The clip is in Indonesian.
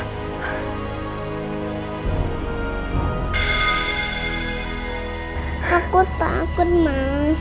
takut takut mas